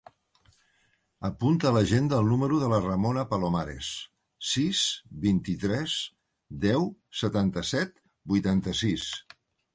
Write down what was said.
Apunta a l'agenda el número de la Ramona Palomares: sis, vint-i-tres, deu, setanta-set, vuitanta-sis.